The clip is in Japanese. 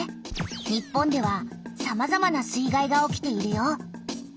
日本ではさまざまな水害が起きているよ。